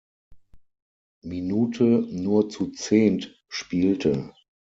Minute nur zu zehnt spielte.